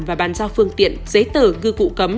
và bàn giao phương tiện giấy tờ ngư cụ cấm